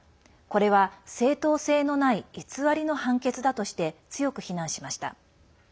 これは正当性のない偽りの判決だとして強く非難しました。